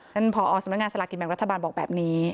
นั้นพอสำนักงานศาลักษณ์กิจแบ่งรัฐบาลบอกแบบนี้